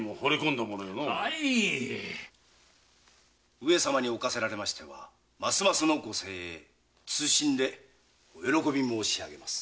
上様に於せられましてはますますのご盛栄謹んでお喜び申しあげます。